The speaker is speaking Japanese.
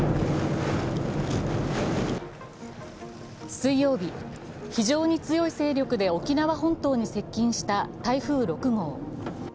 水曜日、非常に強い勢力で沖縄本島に接近した台風６号。